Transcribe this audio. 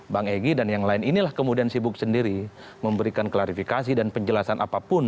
bang egy dan yang lain inilah kemudian sibuk sendiri memberikan klarifikasi dan penjelasan apapun